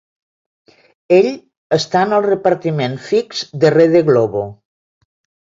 Ell està en el repartiment fix de Rede Globo.